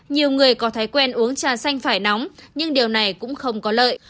nhiều người có thói quen uống trà xanh phải nóng nhưng điều này cũng không có lợi